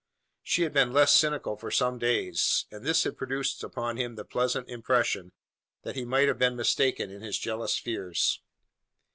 She had been less cynical for some days; and this had produced upon him the pleasant impression, that he might have been mistaken in his jealous fears.